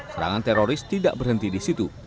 serangan teroris tidak berhenti di situ